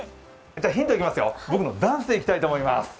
ヒントいきますよ、僕のダンスでいきたいと思います。